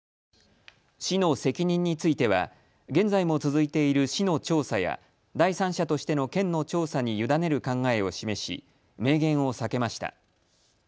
市の責任については現在も続いている市の調査や第三者としての県の調査に委ねる考えを示し明言を避けました。